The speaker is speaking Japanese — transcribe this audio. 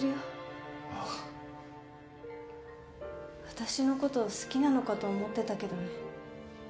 私のこと好きなのかと思ってたけどね